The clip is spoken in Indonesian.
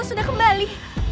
aku sudah kembali